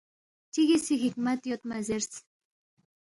چِگی سی حکمت یود مہ زیرس